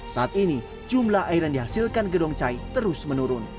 saat ini jumlah air yang dihasilkan gedong cai terus menurun